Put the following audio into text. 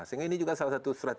sehingga ini juga salah satu surat